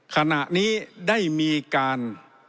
ขณะนี้ได้มีการ